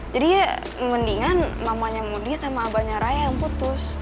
jadi ya mendingan mamanya mondi sama abangnya raya yang putus